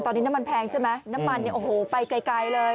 ตอนนี้น้ำมันแพงใช่ไหมน้ำมันเนี่ยโอ้โหไปไกลเลย